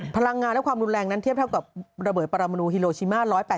พลังงานและความรุนแรงนั้นเทียบเท่ากับระเบิดปรมนูฮิโลชิมา๑๘๐